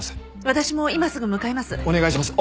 私も今すぐ向かいます。